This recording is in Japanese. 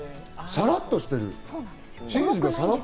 サラっとしてる。